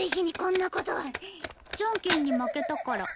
じゃんけんに負けたから。